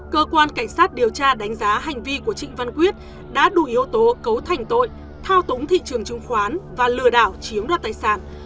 cơ quan cảnh sát điều tra đánh giá hành vi của trịnh văn quyết đã đủ yếu tố cấu thành tội thao túng thị trường chứng khoán và lừa đảo chiếm đoạt tài sản